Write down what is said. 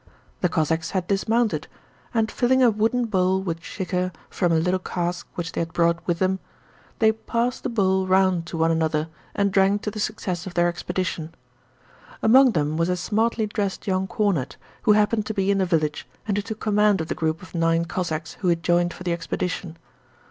The Cossacks had dismounted, and filling a wooden bowl with chikhir from a little cask which they had brought with them, they passed the bowl round to one another and drank to the success of their expedition. Among them was a smartly dressed young cornet, who happened to be in the village and who took command of the group of nine Cossacks who had joined for the expedition.